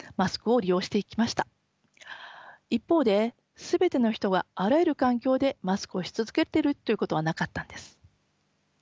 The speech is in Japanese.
一方で全ての人があらゆる環境でマスクをし続けてるということはなかったんです。